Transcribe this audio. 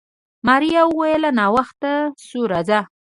ماريا وويل ناوخته شو راځه.